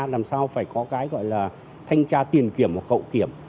làm sao phải có cái gọi là thanh tra tiền kiểm và khẩu kiểm